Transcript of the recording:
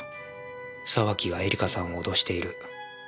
沢木が絵梨華さんを脅している。